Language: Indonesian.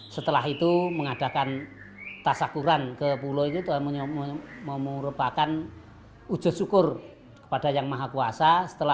setelah itu mengadakan tasakuran ke pulau itu merupakan wujud syukur kepada yang maha kuasa